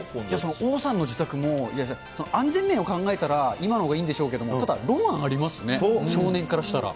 王さんの自宅も、安全面を考えたら、今のほうがいいんでしょうけれども、ロマンがありますね、少年からしたら。